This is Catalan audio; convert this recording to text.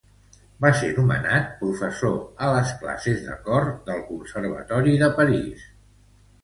Va ser nomenat professor a les classes de cor del Conservatori de París.